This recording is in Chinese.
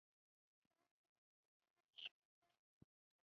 毕业于四川省委党校行政管理。